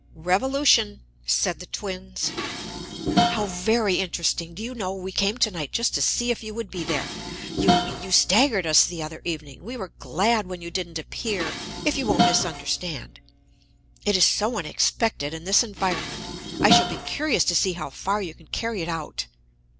"Revolution," said the twins. "How very interesting! Do you know, we came to night just to see if you would be there. You you staggered us, the other evening. We were glad when you didn't appear if you won't misunderstand. It is so unexpected, in this environment. I shall be curious to see how far you can carry it out."